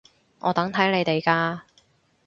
我等睇你哋㗎